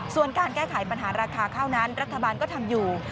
ส่วนการแก้ไขปัญหาราคาข้าวนั้นรัฐบาลก็ทำอยู่